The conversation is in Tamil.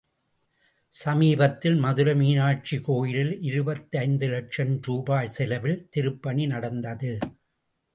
சமீபத்தில் மதுரை மீனாக்ஷி கோயிலில் இருபத்தி ஐந்து லக்ஷம் ரூபாய் செலவில் திருப்பணி நடந்தது.